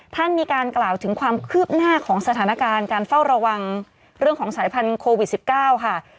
ท่านมีการกล่าวถึงความคืบหน้าของสถานการณ์การเฝ้าระวังเรื่องของสายพันธุวิต๑๙ค่ะ